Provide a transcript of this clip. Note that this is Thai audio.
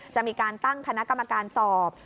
จะมีการตั้งคณะกรรมการสอบ